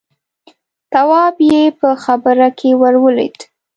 تواب يې په خبره کې ور ولوېد: